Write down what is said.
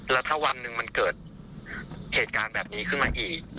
แล้วถ้าวันหนึ่งมันเกิดเหตุการณ์แบบนี้ขึ้นมาอีก